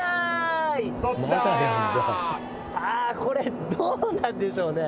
さぁこれどうなんでしょうね。